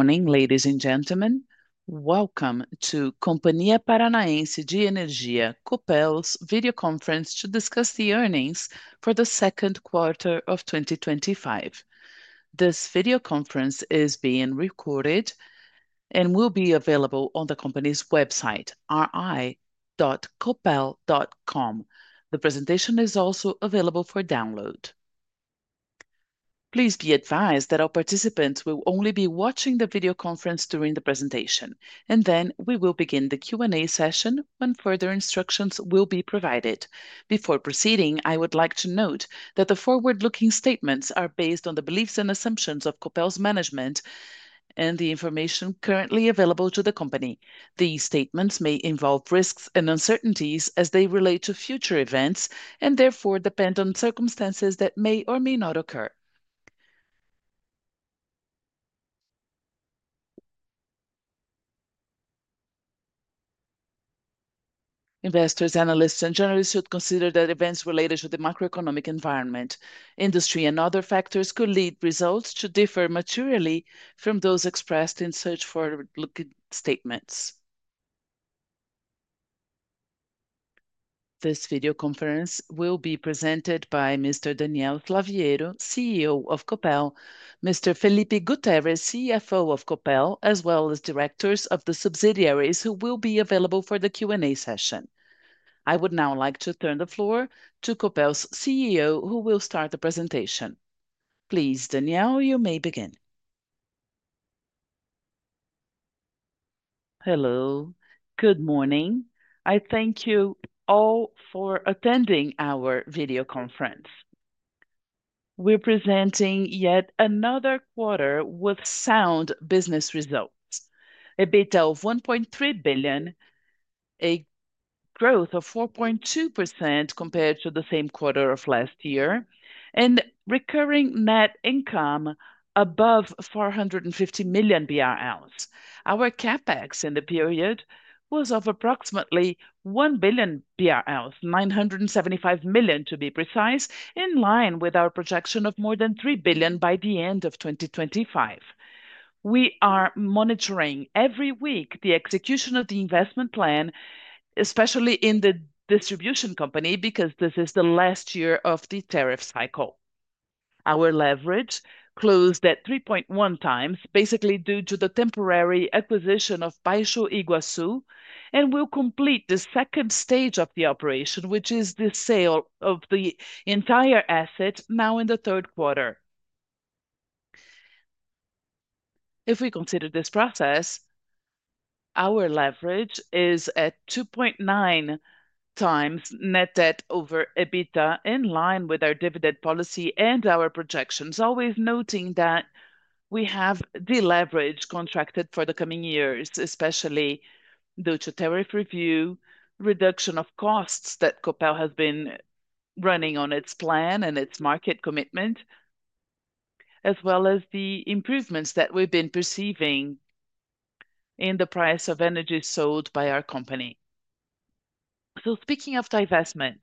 Morning, ladies and gentlemen. Welcome to Companhia Paranaense de Energia Copel's video conference to discuss the earnings for the second quarter of 2025. This video conference is being recorded and will be available on the company's website, ri.copel.com. The presentation is also available for download. Please be advised that our participants will only be watching the video conference during the presentation, and then we will begin the Q&A session and further instructions will be provided. Before proceeding, I would like to note that the forward-looking statements are based on the beliefs and assumptions of Copel's management and the information currently available to the company. These statements may involve risks and uncertainties as they relate to future events and therefore depend on circumstances that may or may not occur. Investors, analysts, and journalists should consider that events related to the macroeconomic environment, industry, and other factors could lead results to differ materially from those expressed in such forward-looking statements. This video conference will be presented by Mr. Daniel Slaviero, CEO of Copel, Mr. Felipe Guterres, CFO of Copel, as well as directors of the subsidiaries who will be available for the Q&A session. I would now like to turn the floor to Copel's CEO, who will start the presentation. Please, Daniel, you may begin. Hello. Good morning. I thank you all for attending our video conference. We're presenting yet another quarter with sound business results. EBITDA of 1.3 billion, a growth of 4.2% compared to the same quarter of last year, and recurring net income above 450 million BRL. Our CapEx in the period was approximately 1 billion BRL, 975 million to be precise, in line with our projection of more than 3 billion by the end of 2025. We are monitoring every week the execution of the investment plan, especially in the distribution company, because this is the last year of the tariff cycle. Our leverage closed at 3.1x, basically due to the temporary acquisition of Baixo Iguaçu, and we'll complete the second stage of the operation, which is the sale of the entire asset now in the third quarter. If we consider this process, our leverage is at 2.9x net debt over EBITDA, in line with our dividend policy and our projections, always noting that we have the leverage contracted for the coming years, especially due to tariff review, reduction of costs that Copel has been running on its plan and its market commitment, as well as the improvements that we've been perceiving in the price of energy sold by our company. Speaking of divestment,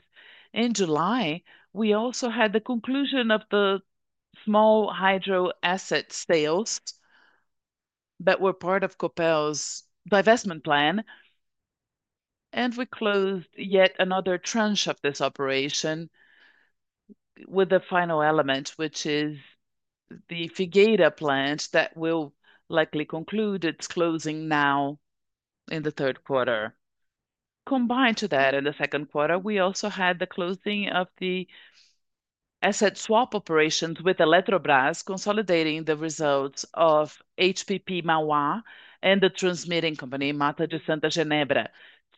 in July, we also had the conclusion of the small hydro asset sales that were part of Copel's divestment plan, and we closed yet another tranche of this operation with the final element, which is the Figueira plant that will likely conclude its closing now in the third quarter. Combined to that, in the second quarter, we also had the closing of the asset swap operations with Eletrobras, consolidating the results of HPP Mauá and the transmitting company, Mata de Santa Genebra,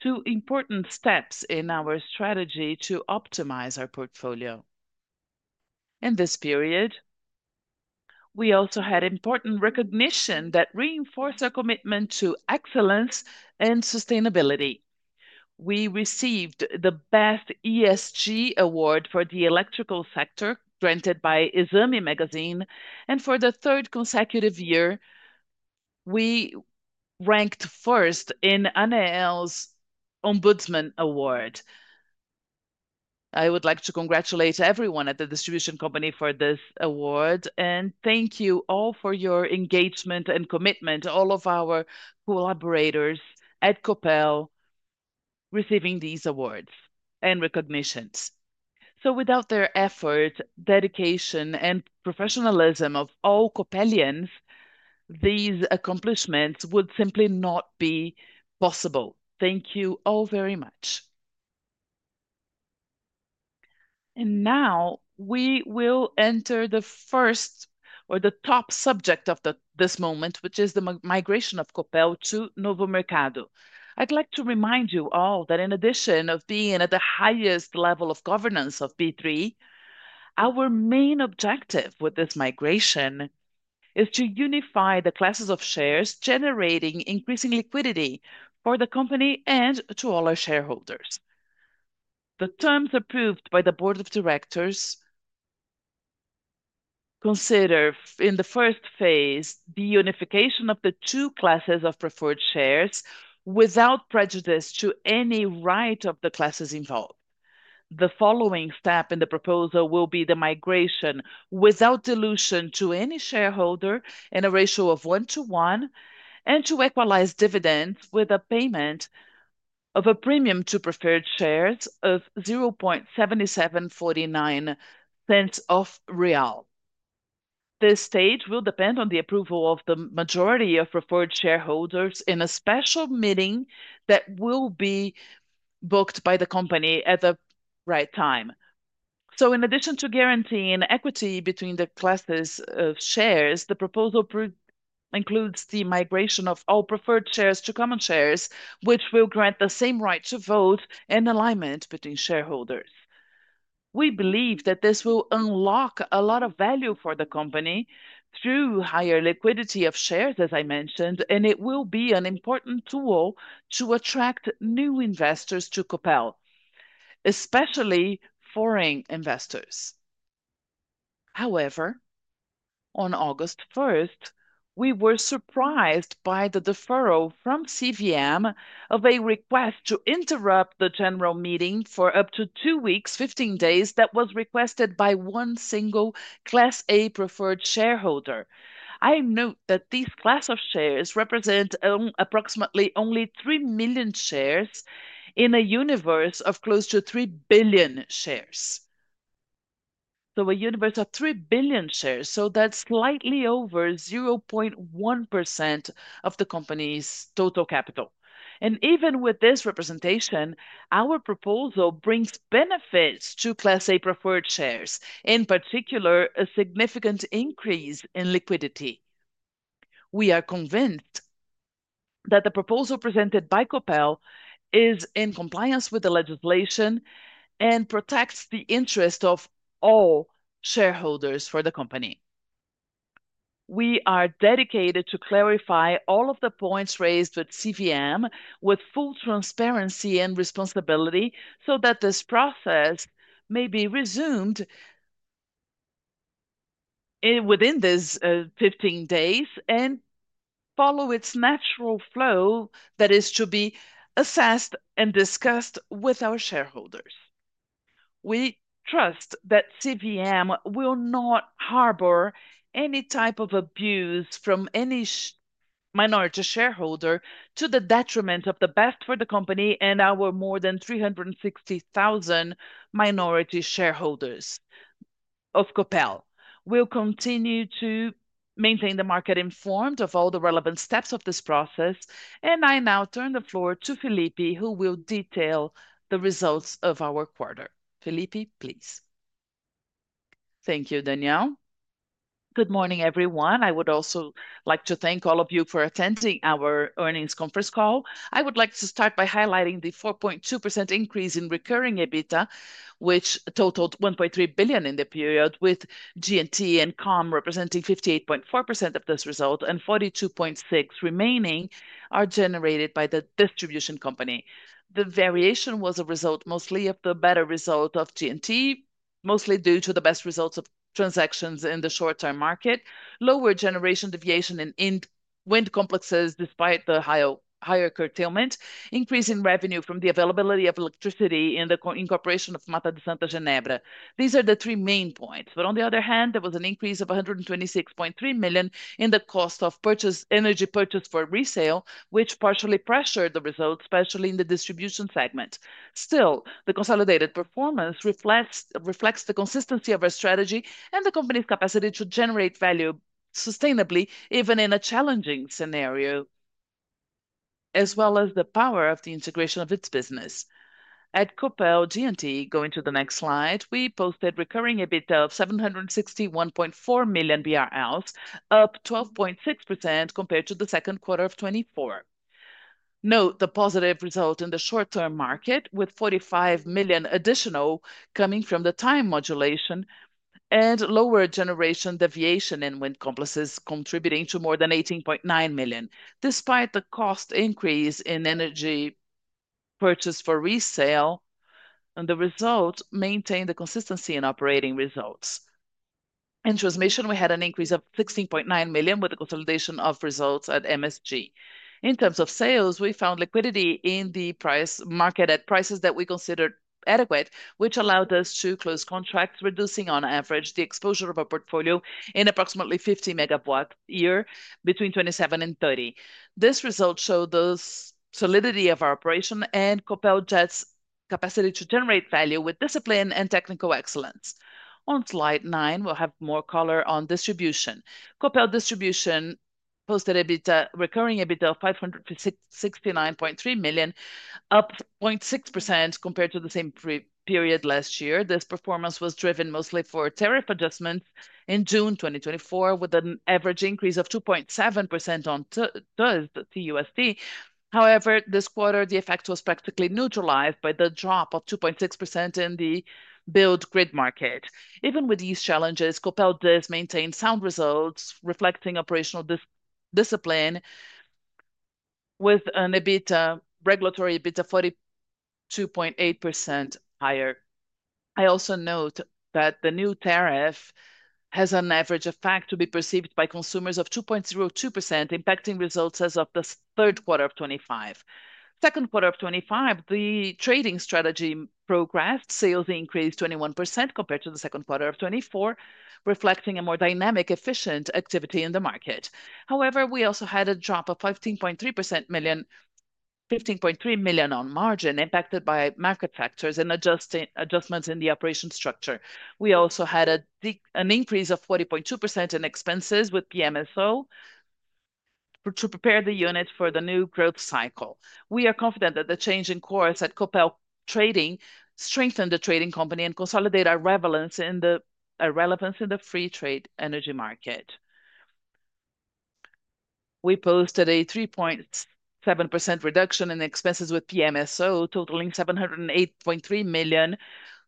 two important steps in our strategy to optimize our portfolio. In this period, we also had important recognition that reinforced our commitment to excellence and sustainability. We received the best ESG award for the electrical sector, granted by Izumi Magazine, and for the third consecutive year, we ranked first in ANEEL's Ombudsman Award. I would like to congratulate everyone at the distribution company for this award, and thank you all for your engagement and commitment, all of our collaborators at Copel receiving these awards and recognitions. Without their effort, dedication, and professionalism of all Copelians, these accomplishments would simply not be possible. Thank you all very much. We will enter the first or the top subject of this moment, which is the migration of Copel to Novo Mercado. I'd like to remind you all that in addition to being at the highest level of governance of B3, our main objective with this migration is to unify the classes of shares, generating increasing liquidity for the company and to all our shareholders. The terms approved by the Board of Directors consider in the first phase the unification of the two classes of preferred shares without prejudice to any right of the classes involved. The following step in the proposal will be the migration without dilution to any shareholder in a ratio of one to one and to equalize dividends with a payment of a premium to preferred shares of 0.007749. This stage will depend on the approval of the majority of preferred shareholders in a special meeting that will be booked by the company at the right time. In addition to guaranteeing equity between the classes of shares, the proposal includes the migration of all preferred shares to common shares, which will grant the same right to vote and alignment between shareholders. We believe that this will unlock a lot of value for the company through higher liquidity of shares, as I mentioned, and it will be an important tool to attract new investors to Copel, especially foreign investors. However, on August 1st, we were surprised by the deferral from CVM of a request to interrupt the general meeting for up to two weeks, 15 days, that was requested by one single Class A preferred shareholder. I note that these class of shares represent approximately only 3 million shares in a universe of close to 3 billion shares. A universe of 3 billion shares, that's slightly over 0.1% of the company's total capital. Even with this representation, our proposal brings benefits to Class A preferred shares, in particular, a significant increase in liquidity. We are convinced that the proposal presented by Copel is in compliance with the legislation and protects the interests of all shareholders for the company. We are dedicated to clarify all of the points raised with CVM with full transparency and responsibility so that this process may be resumed within these 15 days and follow its natural flow that is to be assessed and discussed with our shareholders. We trust that CVM will not harbor any type of abuse from any minority shareholder to the detriment of the best for the company and our more than 360,000 minority shareholders of Copel. We'll continue to maintain the market informed of all the relevant steps of this process, and I now turn the floor to Felipe, who will detail the results of our quarter. Felipe, please. Thank you, Daniel. Good morning, everyone. I would also like to thank all of you for attending our earnings conference call. I would like to start by highlighting the 4.2% increase in recurring EBITDA, which totaled 1.3 billion in the period, with G&T and COM representing 58.4% of this result and 42.6% remaining are generated by the distribution company. The variation was a result mostly of the better result of G&T, mostly due to the best results of transactions in the short-term market, lower generation deviation in wind complexes despite the higher curtailment, increase in revenue from the availability of electricity in the incorporation of Mata de Santa Genebra. These are the three main points. On the other hand, there was an increase of 126.3 million in the cost of energy purchase for resale, which partially pressured the results, especially in the distribution segment. Still, the consolidated performance reflects the consistency of our strategy and the company's capacity to generate value sustainably, even in a challenging scenario, as well as the power of the integration of its business. At Copel G&T, going to the next slide, we posted recurring EBITDA of 761.4 million BRL, up 12.6% compared to the second quarter of 2024. Note the positive result in the short-term market, with 45 million additional coming from the time modulation and lower generation deviation in wind complexes contributing to more than 18.9 million, despite the cost increase in energy purchase for resale, and the result maintained the consistency in operating results. In transmission, we had an increase of 16.9 million with the consolidation of results at MSG. In terms of sales, we found liquidity in the price market at prices that we considered adequate, which allowed us to close contracts, reducing on average the exposure of our portfolio in approximately 50 MW a year between 2027 and 2030. This result showed the solidity of our operation and Copel G&T's capacity to generate value with discipline and technical excellence. On slide nine, we'll have more color on distribution. Copel Distribution posted recurring EBITDA of 569.3 million, up 0.6% compared to the same period last year. This performance was driven mostly by tariff adjustments in June 2024, with an average increase of 2.7% on TUSD. However, this quarter, the effect was practically neutralized by the drop of 2.6% in the billed grid market. Even with these challenges, Copel does maintain sound results, reflecting operational discipline, with regulatory EBITDA 42.8% higher. I also note that the new tariff has an average effect to be perceived by consumers of 2.02%, impacting results as of the third quarter of 2025. In the second quarter of 2025, the trading strategy progressed. Sales increased 21% compared to the second quarter of 2024, reflecting a more dynamic, efficient activity in the market. However, we also had a drop of 15.3 million on margin, impacted by market factors and adjustments in the operation structure. We also had an increase of 40.2% in expenses with PMSO to prepare the unit for the new growth cycle. We are confident that the change in course at Copel Trading strengthened the trading company and consolidated our relevance in the free trade energy market. We posted a 3.7% reduction in expenses with PMSO, totaling 708.3 million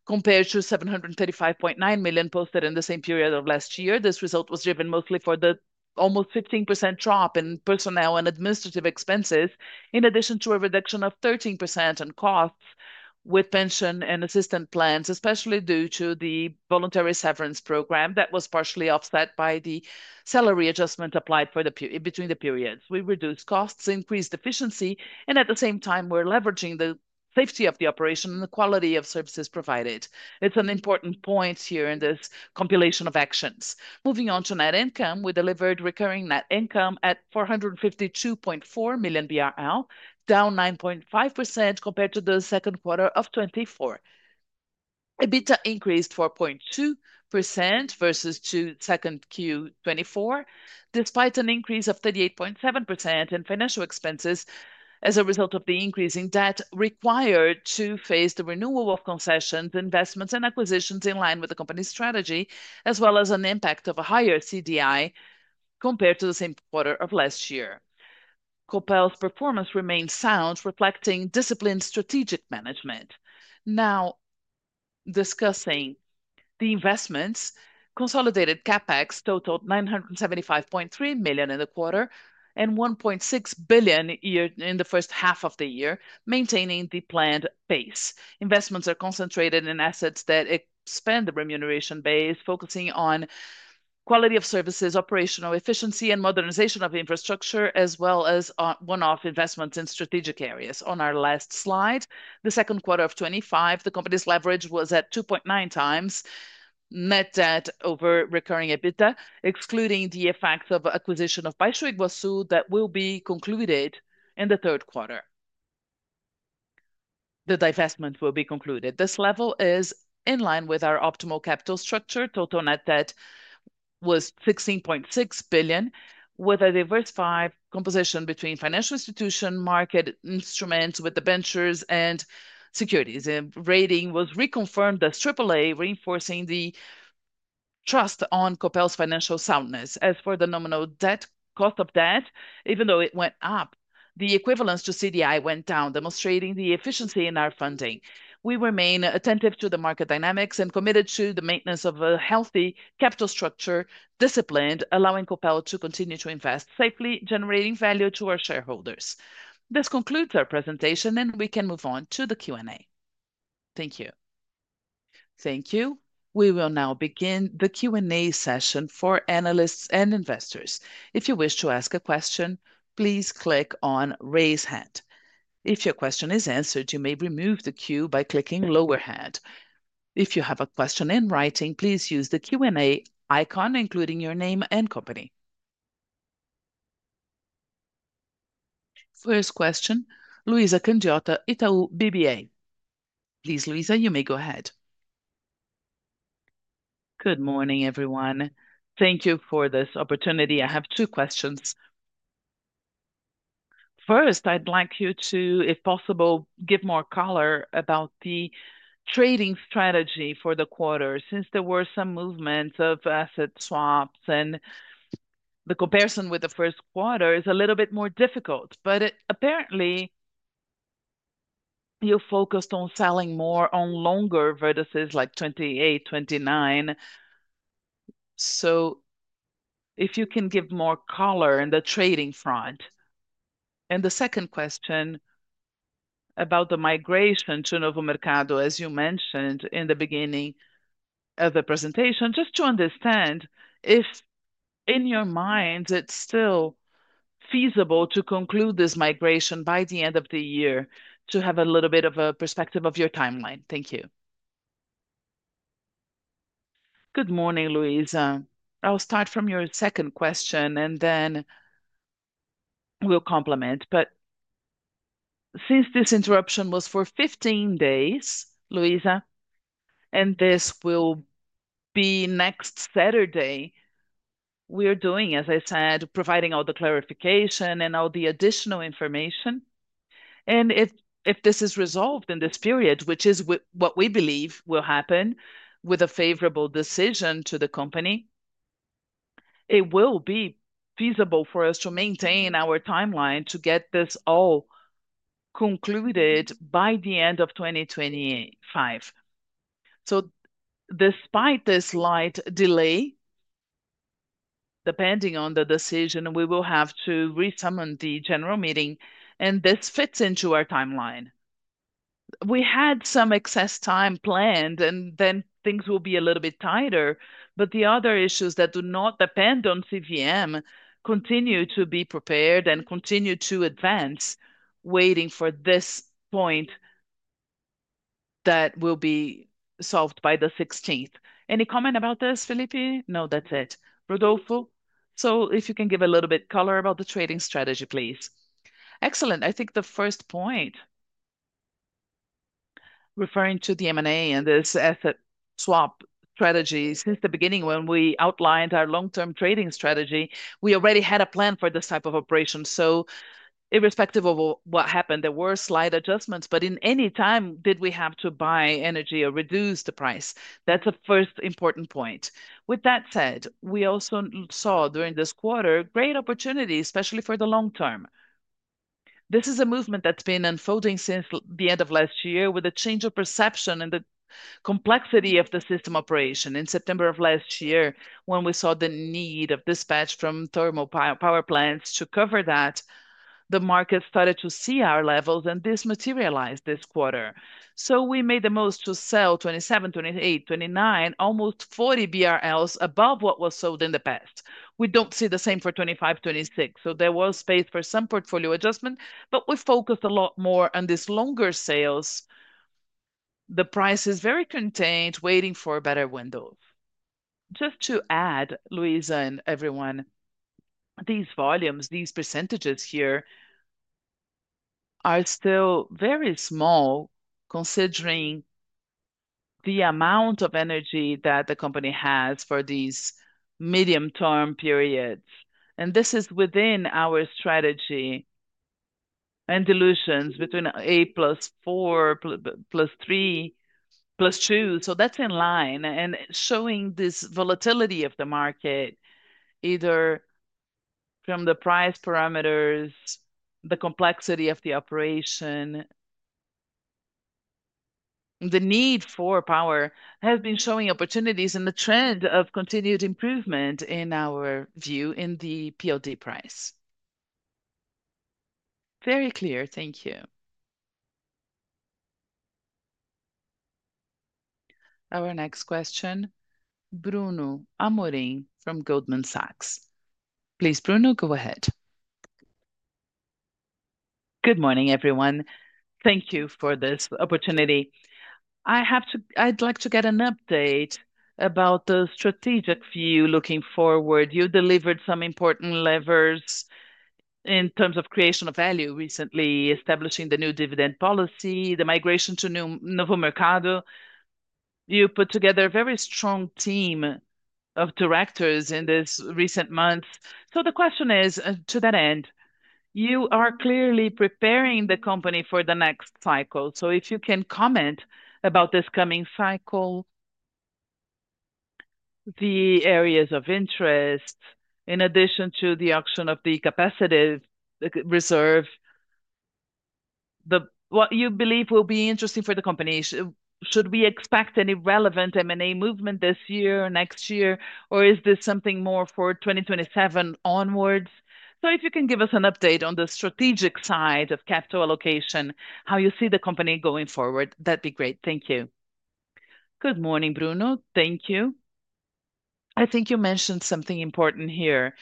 compared to 735.9 million posted in the same period of last year. This result was driven mostly by the almost 15% drop in personnel and administrative expenses, in addition to a reduction of 13% in costs with pension and assistance plans, especially due to the voluntary severance program that was partially offset by the salary adjustments applied between the periods. We reduced costs, increased efficiency, and at the same time, we're leveraging the safety of the operation and the quality of services provided. It's an important point here in this compilation of actions. Moving on to net income, we delivered recurring net income at 452.4 million BRL, down 9.5% compared to the second quarter of 2024. EBITDA increased 4.2% versus Q2 of 2024, despite an increase of 38.7% in financial expenses as a result of the increasing debt required to face the renewal of concessions, investments, and acquisitions in line with the company's strategy, as well as an impact of a higher CDI compared to the same quarter of last year. Copel's performance remains sound, reflecting disciplined strategic management. Now discussing the investments, consolidated CapEx totaled 975.3 million in the quarter and 1.6 billion in the first half of the year, maintaining the planned pace. Investments are concentrated in assets that expand the remuneration base, focusing on quality of services, operational efficiency, and modernization of infrastructure, as well as one-off investments in strategic areas. On our last slide, the second quarter of 2025, the company's leverage was at 2.9x net debt over recurring EBITDA, excluding the effects of acquisition of Baixo Iguaçu that will be concluded in the third quarter. The divestment will be concluded. This level is in line with our optimal capital structure. Total net debt was 16.6 billion, with a diversified composition between financial institutions, market instruments, ventures, and securities. The rating was reconfirmed as AAA, reinforcing the trust on Copel's financial soundness. As for the nominal cost of debt, even though it went up, the equivalence to CDI went down, demonstrating the efficiency in our funding. We remain attentive to the market dynamics and committed to the maintenance of a healthy capital structure, disciplined, allowing Copel to continue to invest safely, generating value to our shareholders. This concludes our presentation, and we can move on to the Q&A. Thank you. Thank you. We will now begin the Q&A session for analysts and investors. If you wish to ask a question, please click on raise hand. If your question is answered, you may remove the queue by clicking lower hand. If you have a question in writing, please use the Q&A icon, including your name and company. First question, Luiza Candiota, Itaú BBA. Please, Luiza, you may go ahead. Good morning, everyone. Thank you for this opportunity. I have two questions. First, I'd like you to, if possible, give more color about the trading strategy for the quarter, since there were some movements of asset swaps, and the comparison with the first quarter is a little bit more difficult. Apparently, you focused on selling more on longer vertices like 2028, 2029. If you can give more color in the trading front. The second question about the migration to Novo Mercado, as you mentioned in the beginning of the presentation, just to understand if in your minds it's still feasible to conclude this migration by the end of the year, to have a little bit of a perspective of your timeline. Thank you. Good morning, Luiza. I'll start from your second question, and then we'll complement. Since this interruption was for 15 days, Luiza, and this will be next Saturday, we're doing, as I said, providing all the clarification and all the additional information. If this is resolved in this period, which is what we believe will happen with a favorable decision to the company, it will be feasible for us to maintain our timeline to get this all concluded by the end of 2025. Despite the slight delay, depending on the decision, we will have to resummon the general meeting, and this fits into our timeline. We had some excess time planned, and then things will be a little bit tighter, but the other issues that do not depend on CVM continue to be prepared and continue to advance, waiting for this point that will be solved by the 16th. Any comment about this, Felipe? No, that's it. Rodolfo? If you can give a little bit of color about the trading strategy, please. Excellent. I think the first point, referring to the M&A and this asset swap strategy, since the beginning, when we outlined our long-term trading strategy, we already had a plan for this type of operation. Irrespective of what happened, there were slight adjustments, but at any time, did we have to buy energy or reduce the price. That's the first important point. With that said, we also saw during this quarter great opportunities, especially for the long term. This is a movement that's been unfolding since the end of last year, with a change of perception and the complexity of the system operation. In September of last year, when we saw the need of dispatch from thermal power plants to cover that, the market started to see our levels, and this materialized this quarter. We made the most to sell 2027, 2028, 2029, almost 40 BRL above what was sold in the past. We don't see the same for 2025, 2026. There was space for some portfolio adjustment, but we focused a lot more on these longer sales. The price is very contained, waiting for better windows. Just to add, Luiza and everyone, these volumes, these percentages here are still very small, considering the amount of energy that the company has for these medium-term periods. This is within our strategy and dilutions between A plus 4, plus 3, plus 2. That's in line, and showing this volatility of the market, either from the price parameters, the complexity of the operation, the need for power has been showing opportunities and the trend of continued improvement in our view in the PLD price. Very clear. Thank you. Our next question, Bruno Amorim from Goldman Sachs. Please, Bruno, go ahead. Good morning, everyone. Thank you for this opportunity. I'd like to get an update about the strategic view looking forward. You delivered some important levers in terms of creation of value recently, establishing the new dividend policy, the migration to Novo Mercado. You put together a very strong team of directors in these recent months. The question is, to that end, you are clearly preparing the company for the next cycle. If you can comment about this coming cycle, the areas of interest, in addition to the auction of the capacitive reserve, what you believe will be interesting for the company, should we expect any relevant M&A movement this year, next year, or is this something more for 2027 onwards? If you can give us an update on the strategic side of capital allocation, how you see the company going forward, that'd be great. Thank you. Good morning, Bruno. Thank you. I think you mentioned something important here.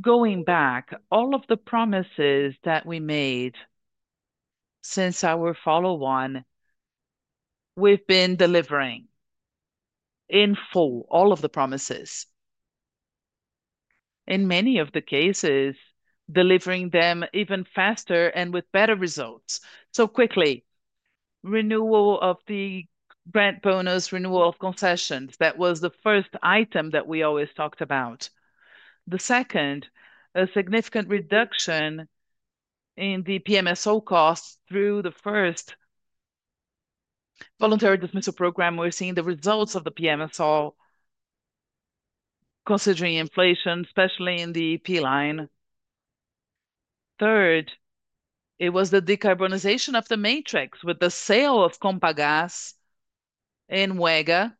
Going back, all of the promises that we made since our follow-on, we've been delivering in full, all of the promises. In many of the cases, delivering them even faster and with better results. Quickly, renewal of the grant bonus, renewal of concessions. That was the first item that we always talked about. The second, a significant reduction in the PMSO costs through the first voluntary dismissal program. We're seeing the results of the PMSO, considering inflation, especially in the P line. Third, it was the decarbonization of the matrix with the sale of Compagas and Wega.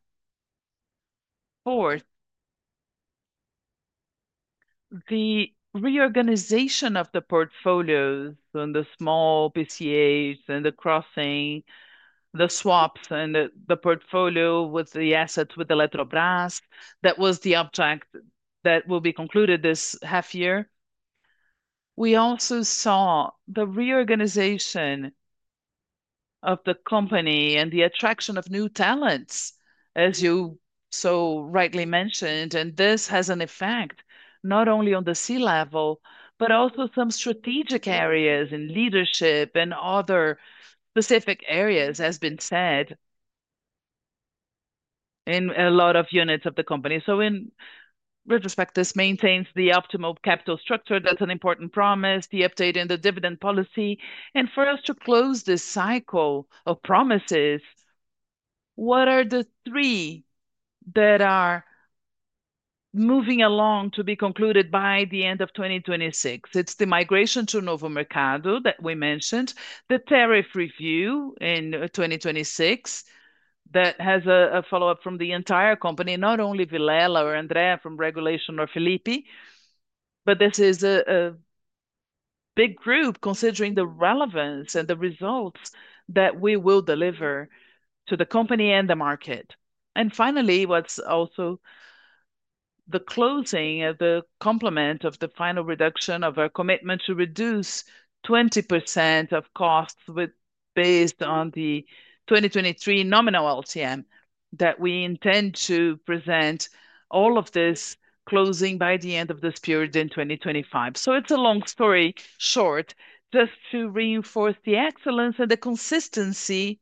Fourth, the reorganization of the portfolios and the small PCHs and the crossing, the swaps, and the portfolio with the assets with Eletrobras. That was the object that will be concluded this half year.. We also saw the reorganization of the company and the attraction of new talents, as you so rightly mentioned. This has an effect not only on the C-level, but also some strategic areas in leadership and other specific areas, as has been said in a lot of units of the company. In retrospect, this maintains the optimal capital structure. That's an important promise, the update in the dividend policy. To close this cycle of promises, what are the three that are moving along to be concluded by the end of 2026? It's the migration to Novo Mercado that we mentioned, the tariff review in 2026 that has a follow-up from the entire company, not only Villela or Andrea from regulation or Felipe, but this is a big group considering the relevance and the results that we will deliver to the company and the market. Finally, there's also the closing of the complement of the final reduction of our commitment to reduce 20% of costs based on the 2023 nominal LCM that we intend to present, all of this closing by the end of this period in 2025. Long story short, just to reinforce the excellence and the consistency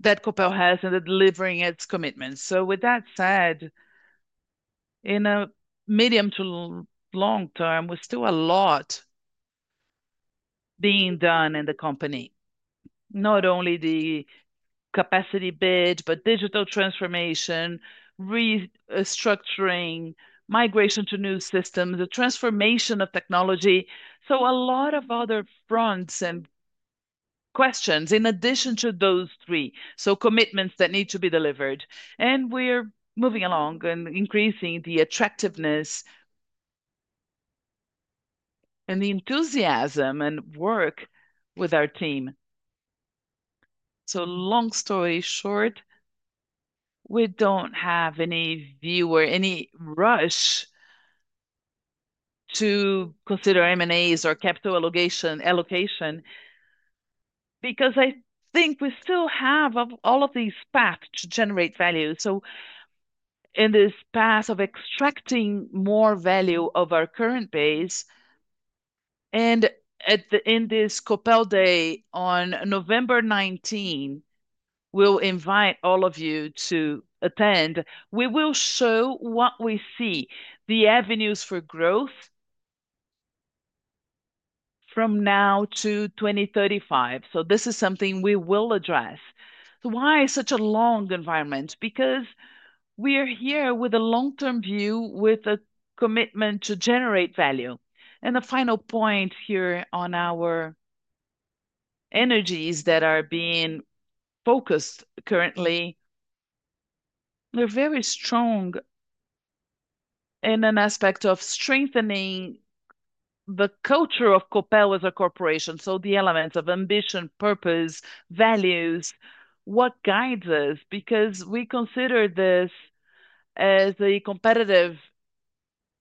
that Copel has in delivering its commitments. With that said, in a medium to long term, there's still a lot being done in the company, not only the capacity bid, but digital transformation, restructuring, migration to new systems, the transformation of technology. There are a lot of other fronts and questions in addition to those three, commitments that need to be delivered. We're moving along and increasing the attractiveness and the enthusiasm and work with our team. Long story short, we don't have any view or any rush to consider M&As or capital allocation because I think we still have all of these paths to generate value. In this path of extracting more value of our current base, and in this Copel Day on November 19, we'll invite all of you to attend. We will show what we see, the avenues for growth from now to 2035. This is something we will address. Why is such a long environment? Because we are here with a long-term view, with a commitment to generate value. The final point here on our energies that are being focused currently, they're very strong in an aspect of strengthening the culture of Copel as a corporation. The elements of ambition, purpose, values, what guides us, because we consider this as a competitive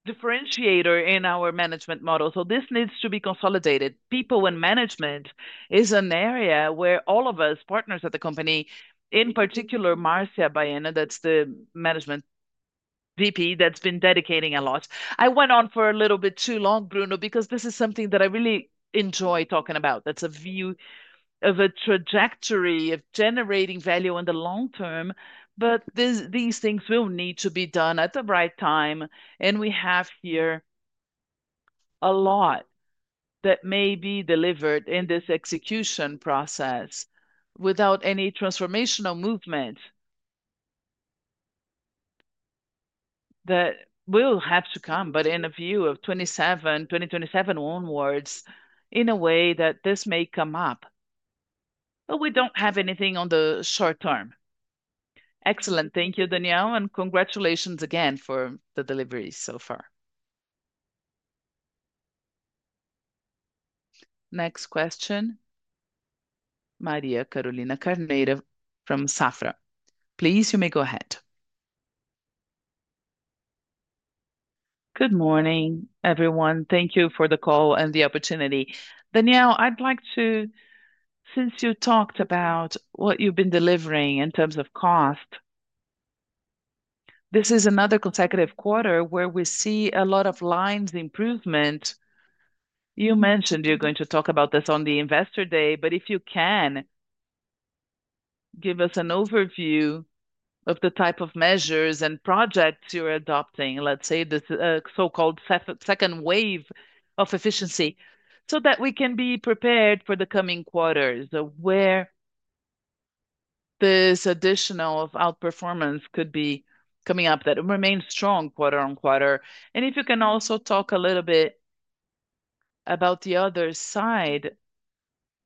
differentiator in our management model. This needs to be consolidated. People and management is an area where all of us, partners at the company, in particular, Marcia Baena, that's the Management VP, that's been dedicating a lot. I went on for a little bit too long, Bruno, because this is something that I really enjoy talking about. That's a view of a trajectory of generating value in the long term, but these things will need to be done at the right time. We have here a lot that may be delivered in this execution process without any transformational movement that will have to come, in a view of 2027 onwards, in a way that this may come up. We don't have anything on the short term. Excellent. Thank you, Daniel, and congratulations again for the delivery so far. Next question, Maria Carolina Carneiro from Safra. Please, you may go ahead. Good morning, everyone. Thank you for the call and the opportunity. Daniel, I'd like to, since you talked about what you've been delivering in terms of cost, this is another consecutive quarter where we see a lot of lines improvement. You mentioned you're going to talk about this on the Investor Day, but if you can give us an overview of the type of measures and projects you're adopting, let's say the so-called second wave of efficiency, so that we can be prepared for the coming quarters, where this additional outperformance could be coming up that remains strong quarter on quarter. If you can also talk a little bit about the other side,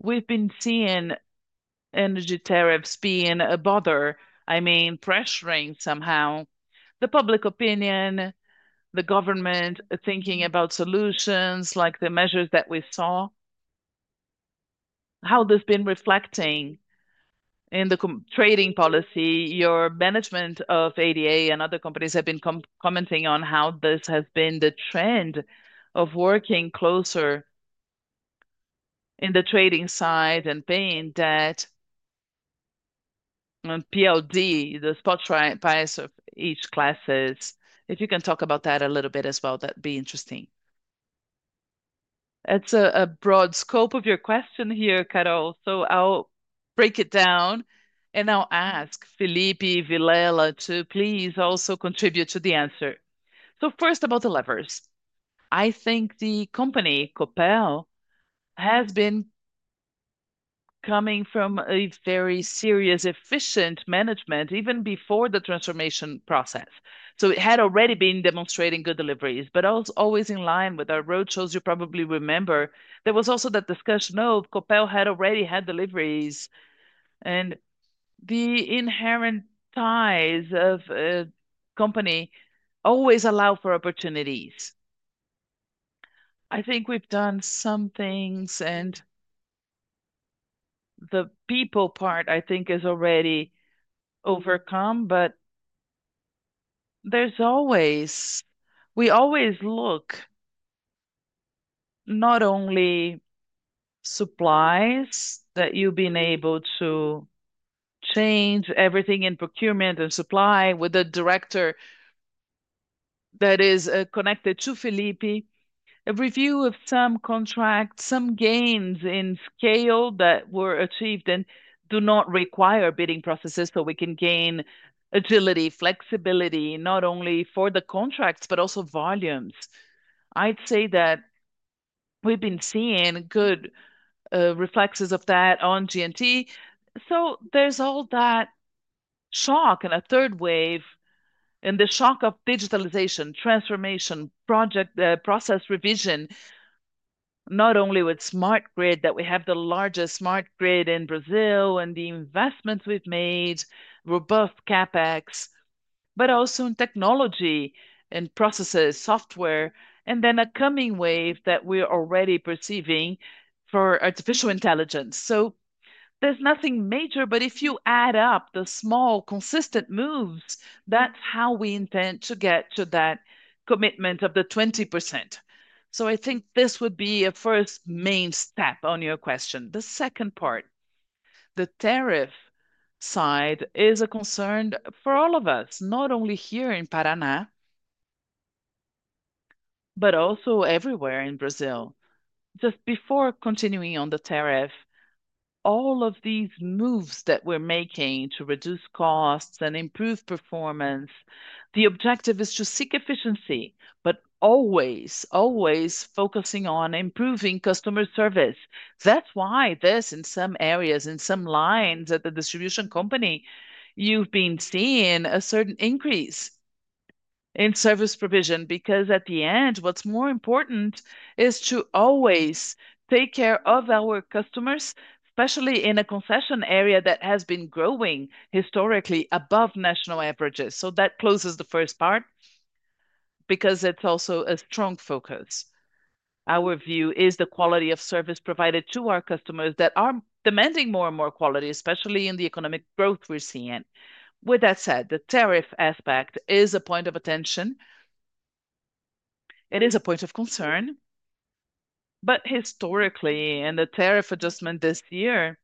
we've been seeing energy tariffs being a bother, I mean, pressuring somehow the public opinion, the government thinking about solutions like the measures that we saw. How this has been reflecting in the trading policy, your management of ADA and other companies have been commenting on how this has been the trend of working closer in the trading side and paying debt on PLD, the spot price of each classes. If you can talk about that a little bit as well, that'd be interesting. That's a broad scope of your question here, Carol. I'll break it down and I'll ask Felipe, Vilela to please also contribute to the answer. First about the levers. I think the company, Copel, has been coming from a very serious, efficient management even before the transformation process. It had already been demonstrating good deliveries, but I was always in line with our roadshows, you probably remember. There was also that discussion of Copel had already had deliveries, and the inherent ties of a company always allow for opportunities. I think we've done some things, and the people part, I think, is already overcome, but we always look not only at supplies that you've been able to change everything in procurement and supply with a Director that is connected to Felipe, a review of some contracts, some gains in scale that were achieved and do not require bidding processes so we can gain agility, flexibility, not only for the contracts, but also volumes. I'd say that we've been seeing good reflexes of that on G&T. There's all that shock and a third wave and the shock of digitalization, transformation, project process revision, not only with smart grid that we have the largest smart grid in Brazil and the investments we've made, robust CapEx, but also in technology and processes, software, and then a coming wave that we're already perceiving for artificial intelligence. There's nothing major, but if you add up the small consistent moves, that's how we intend to get to that commitment of the 20%. I think this would be a first main step on your question. The second part, the tariff side, is a concern for all of us, not only here in Paraná, but also everywhere in Brazil. Just before continuing on the tariff, all of these moves that we're making to reduce costs and improve performance, the objective is to seek efficiency, but always, always focusing on improving customer service. That's why in some areas, in some lines at the distribution company, you've been seeing a certain increase in service provision because at the end, what's more important is to always take care of our customers, especially in a concession area that has been growing historically above national averages. That closes the first part because it's also a strong focus. Our view is the quality of service provided to our customers that are demanding more and more quality, especially in the economic growth we're seeing. With that said, the tariff aspect is a point of attention. It is a point of concern. Historically, and the tariff adjustment this year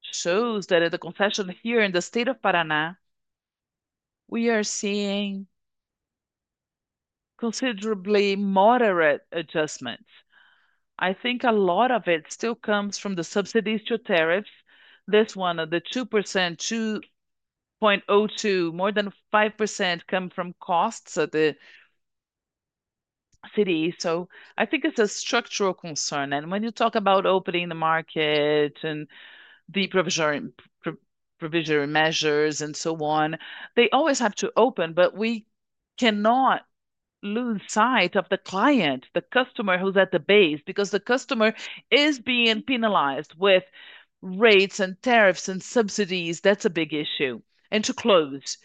shows that at the concession here in the state of Paraná, we are seeing considerably moderate adjustments. I think a lot of it still comes from the subsidies to tariffs. This one of the 2% to 0.02, more than 5% come from costs of the city. I think it's a structural concern. When you talk about opening the market and the provisional measures and so on, they always have to open, but we cannot lose sight of the client, the customer who's at the base because the customer is being penalized with rates, tariffs, and subsidies. That's a big issue. To close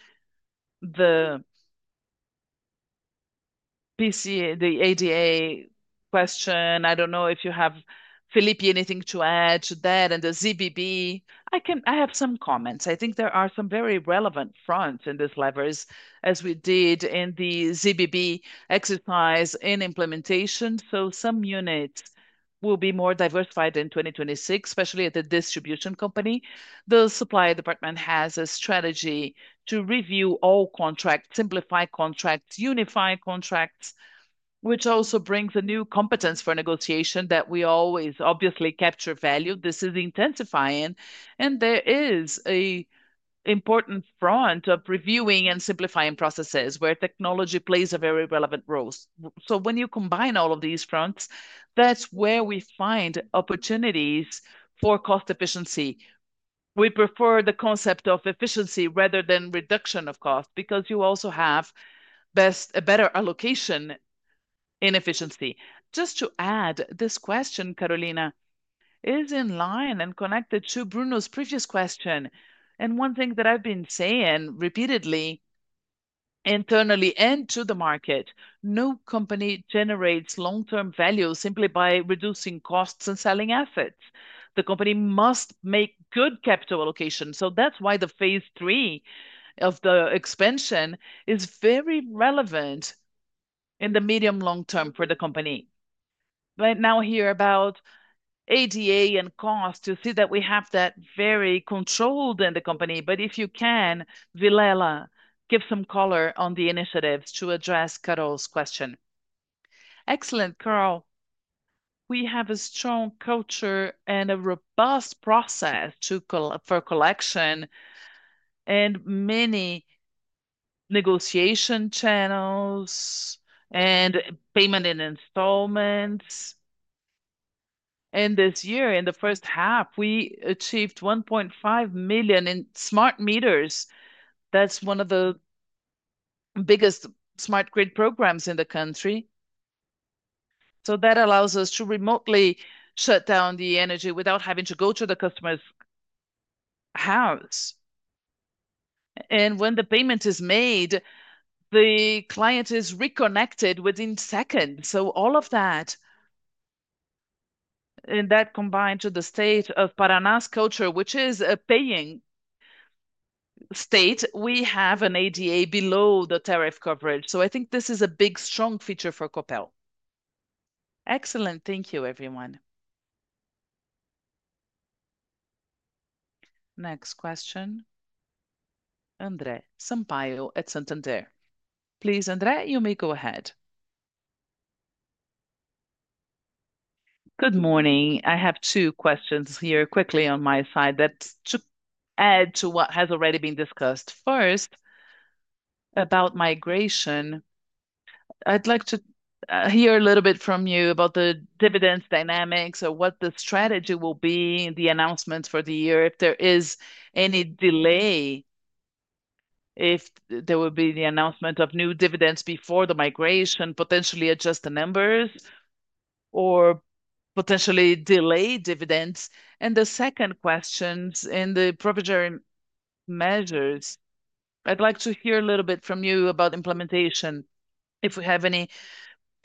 the ADA question, I don't know if you have, Felipe, anything to add to that and the ZBB. I have some comments. I think there are some very relevant fronts in this leverage as we did in the ZBB exercise in implementation. Some units will be more diversified in 2026, especially at the distribution company. The supply department has a strategy to review all contracts, simplify contracts, unify contracts, which also brings a new competence for negotiation that we always obviously capture value. This is intensifying. There is an important front of reviewing and simplifying processes where technology plays a very relevant role. When you combine all of these fronts, that's where we find opportunities for cost efficiency. We prefer the concept of efficiency rather than reduction of cost because you also have a better allocation in efficiency. Just to add, this question, Carolina, is in line and connected to Bruno's previous question. One thing that I've been saying repeatedly internally and to the market, no company generates long-term value simply by reducing costs and selling assets. The company must make good capital allocation. That's why the phase three of the expansion is very relevant in the medium-long term for the company. Right now, here about ADA and cost, you see that we have that very controlled in the company. If you can, Villela, give some color on the initiatives to address Carol's question. Excellent, Carol. We have a strong culture and a robust process for collection and many negotiation channels and payment in installments. This year, in the first half, we achieved 1.5 million in smart meters. That's one of the biggest smart grid programs in the country. That allows us to remotely shut down the energy without having to go to the customer's house. When the payment is made, the client is reconnected within seconds. All of that, and that combined to the state of Paraná's culture, which is a paying state, we have an ADA below the tariff coverage. I think this is a big strong feature for Copel. Excellent. Thank you, everyone. Next question. Andre Sampaio at Santander. Please, Andre, you may go ahead. Good morning. I have two questions here quickly on my side that add to what has already been discussed. First, about migration, I'd like to hear a little bit from you about the dividends dynamics or what the strategy will be in the announcements for the year, if there is any delay, if there will be the announcement of new dividends before the migration, potentially adjust the numbers or potentially delay dividends. The second question is in the provisional measures. I'd like to hear a little bit from you about implementation, if we have any,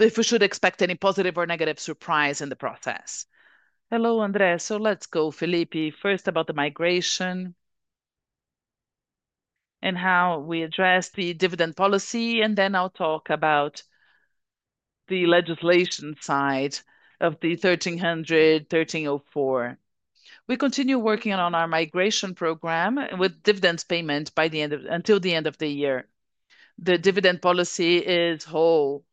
if we should expect any positive or negative surprise in the process. Hello, Andre. Let's go, Felipe. First, about the migration and how we address the dividend policy, and then I'll talk about the legislation side of the 1300, 1304. We continue working on our migration program with dividends payment by the end of until the end of the year. The dividend policy is whole,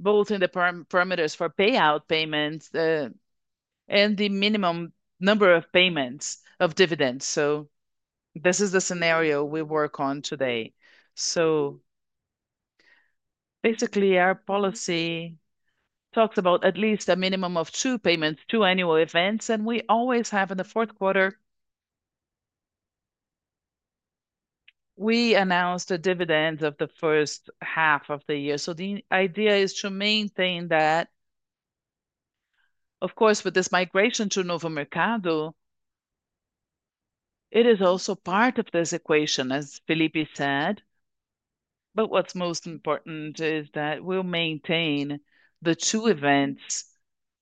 both in the parameters for payout payments and the minimum number of payments of dividends. This is the scenario we work on today. Basically, our policy talks about at least a minimum of two payments, two annual events, and we always have in the fourth quarter, we announce the dividends of the first half of the year. The idea is to maintain that. Of course, with this migration to Novo Mercado, it is also part of this equation, as Felipe said. What's most important is that we'll maintain the two events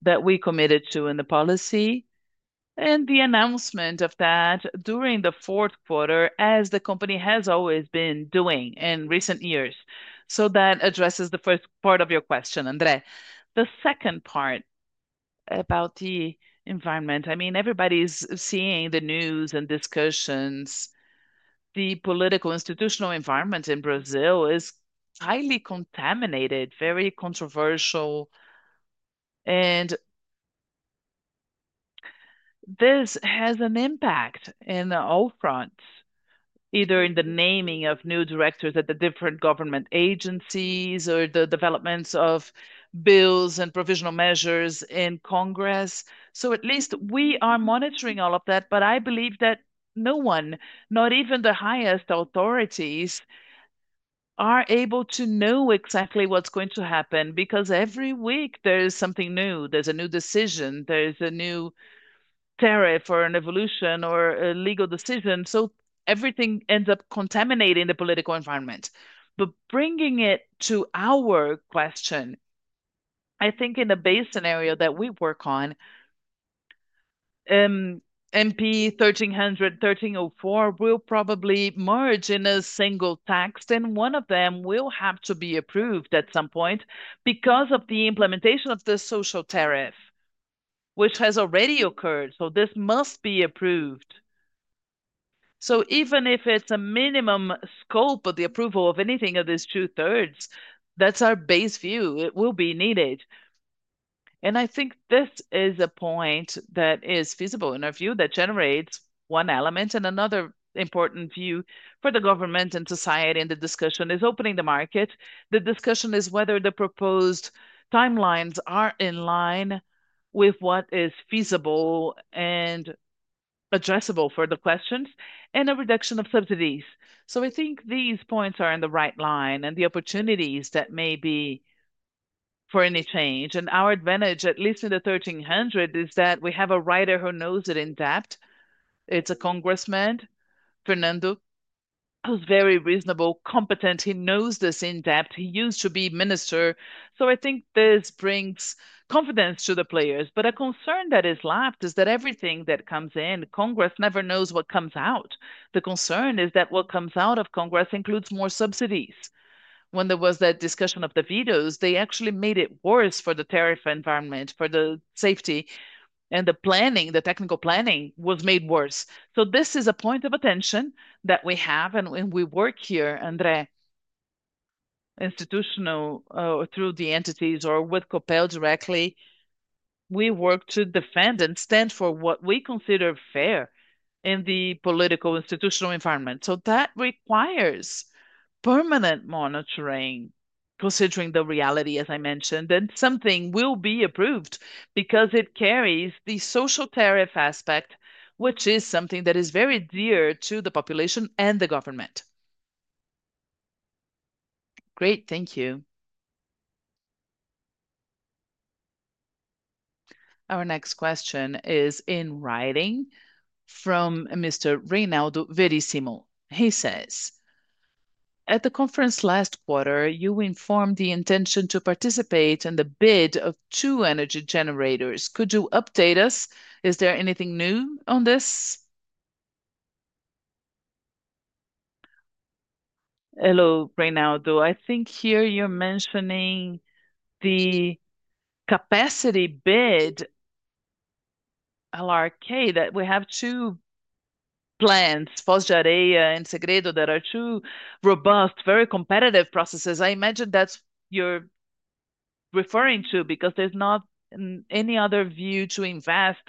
that we committed to in the policy and the announcement of that during the fourth quarter, as the company has always been doing in recent years. That addresses the first part of your question, Andre. The second part about the environment, I mean, everybody's seeing the news and discussions. The political institutional environment in Brazil is highly contaminated, very controversial, and this has an impact in all fronts, either in the naming of new directors at the different government agencies or the developments of bills and provisional measures in Congress. At least we are monitoring all of that, but I believe that no one, not even the highest authorities, are able to know exactly what's going to happen because every week there is something new. There's a new decision, there's a new tariff or an evolution or a legal decision. Everything ends up contaminating the political environment. Bringing it to our question, I think in a base scenario that we work on, MP 1300, 1304 will probably merge in a single tax, then one of them will have to be approved at some point because of the implementation of the social tariff, which has already occurred. This must be approved. Even if it's a minimum scope of the approval of anything of these two-thirds, that's our base view. It will be needed. I think this is a point that is feasible in our view that generates one element and another important view for the government and society. The discussion is opening the market. The discussion is whether the proposed timelines are in line with what is feasible and addressable for the questions and a reduction of subsidies. I think these points are in the right line and the opportunities that may be for any change. Our advantage, at least in the 1300, is that we have a writer who knows it in depth. It's a congressman, Fernando, who's very reasonable, competent. He knows this in depth. He used to be minister. I think this brings confidence to the players. A concern that is left is that everything that comes in, Congress never knows what comes out. The concern is that what comes out of Congress includes more subsidies. When there was that discussion of the vetos, they actually made it worse for the tariff environment, for the safety, and the planning, the technical planning was made worse. This is a point of attention that we have. When we work here, Andre, institutional or through the entities or with Copel directly, we work to defend and stand for what we consider fair in the political institutional environment. That requires permanent monitoring, considering the reality, as I mentioned, that something will be approved because it carries the social tariff aspect, which is something that is very dear to the population and the government. Great. Thank you. Our next question is in writing from Mr. Reinaldo Verissimo. He says, "At the conference last quarter, you informed the intention to participate in the bid of two energy generators. Could you update us? Is there anything new on this?" Hello, Reinaldo. I think here you're mentioning the capacity bid, LRK, that we have two plants, Foz de Areia and Segredo, that are two robust, very competitive processes. I imagine that's what you're referring to because there's not any other view to invest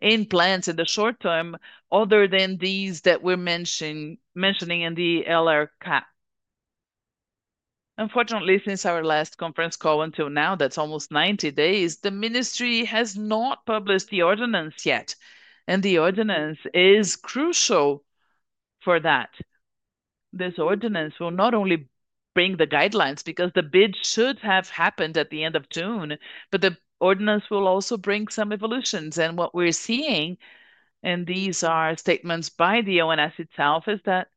in plants in the short term other than these that we're mentioning in the LRK. Unfortunately, since our last conference call until now, that's almost 90 days, the ministry has not published the ordinance yet. The ordinance is crucial for that. This ordinance will not only bring the guidelines because the bid should have happened at the end of June, but the ordinance will also bring some evolutions. What we're seeing, and these are statements by the ONS itself, is that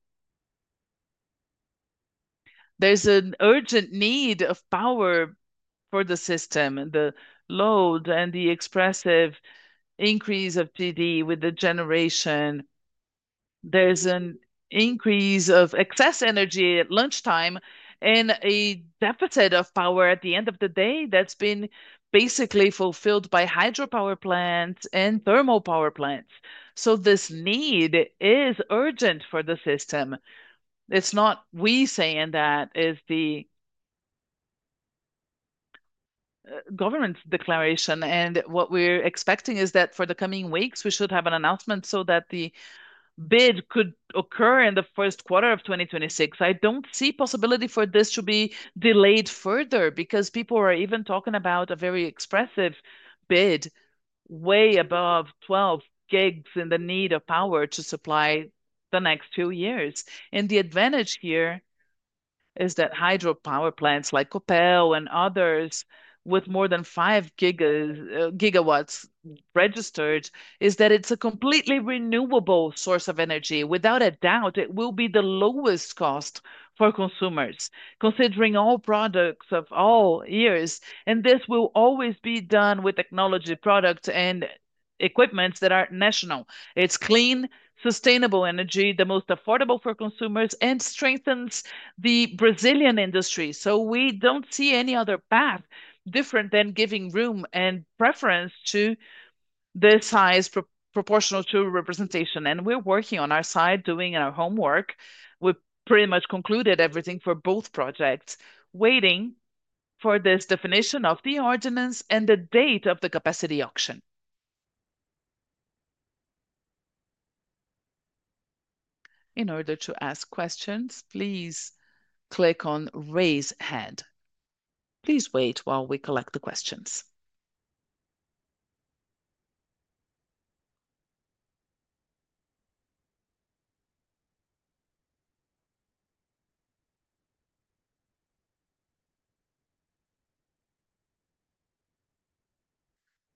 there's an urgent need of power for the system and the load and the expressive increase of PV with the generation. There's an increase of excess energy at lunchtime and a deficit of power at the end of the day that's been basically fulfilled by hydropower plants and thermal power plants. This need is urgent for the system. It's not we saying that, it's the government's declaration. What we're expecting is that for the coming weeks, we should have an announcement so that the bid could occur in the first quarter of 2026. I don't see a possibility for this to be delayed further because people are even talking about a very expressive bid, way above 12 GW in the need of power to supply the next few years. The advantage here is that hydropower plants like Copel and others with more than 5 GW registered is that it's a completely renewable source of energy. Without a doubt, it will be the lowest cost for consumers, considering all products of all years. This will always be done with technology products and equipment that are national. It's clean, sustainable energy, the most affordable for consumers, and strengthens the Brazilian industry. We don't see any other path different than giving room and preference to this highest proportional to representation. We're working on our side, doing our homework. We pretty much concluded everything for both projects, waiting for this definition of the ordinance and the date of the capacity auction. In order to ask questions, please click on raise hand. Please wait while we collect the questions.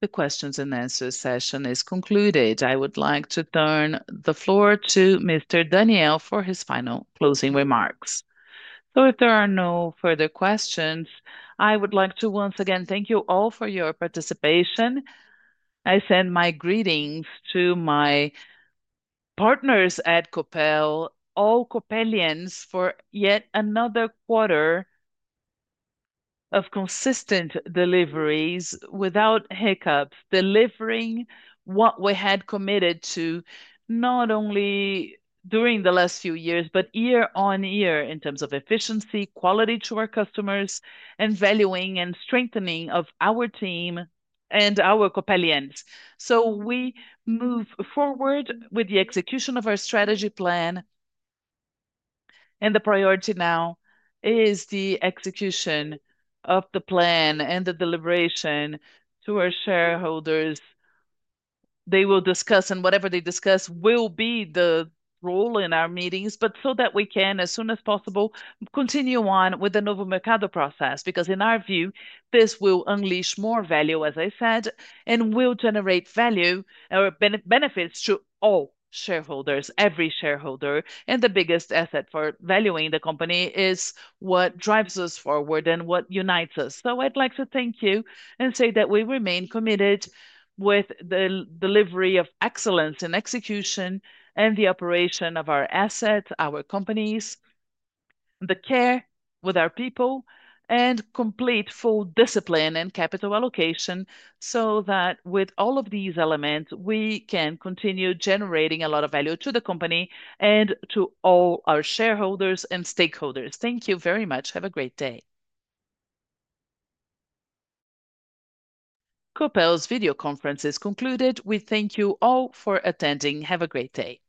The questions and answers session is concluded. I would like to turn the floor to Mr. Daniel for his final closing remarks. If there are no further questions, I would like to once again thank you all for your participation. I send my greetings to my partners at Copel, all Copelians, for yet another quarter of consistent deliveries without hiccups, delivering what we had committed to not only during the last few years, but year on year in terms of efficiency, quality to our customers, and valuing and strengthening of our team and our Copelians. We move forward with the execution of our strategy plan, and the priority now is the execution of the plan and the deliberation to our shareholders. They will discuss, and whatever they discuss will be the role in our meetings, so that we can, as soon as possible, continue on with the Novo Mercado process because in our view, this will unleash more value, as I said, and will generate value or benefits to all shareholders, every shareholder. The biggest asset for valuing the company is what drives us forward and what unites us. I’d like to thank you and say that we remain committed with the delivery of excellence in execution and the operation of our assets, our companies, the care with our people, and complete full discipline and capital allocation so that with all of these elements, we can continue generating a lot of value to the company and to all our shareholders and stakeholders. Thank you very much. Have a great day. Copel's video conference is concluded. We thank you all for attending. Have a great day.